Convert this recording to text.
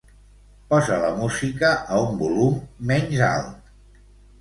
Posa la música a un volum menys alt.